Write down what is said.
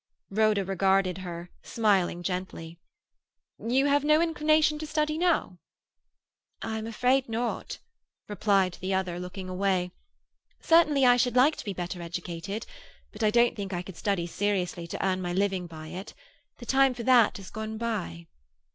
Rhoda regarded her, smiling gently. "You have no inclination to study now?" "I'm afraid not," replied the other, looking away. "Certainly I should like to be better educated, but I don't think I could study seriously, to earn my living by it. The time for that has gone by."